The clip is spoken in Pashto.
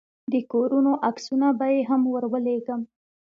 د کورونو عکسونه به يې هم ورولېږم.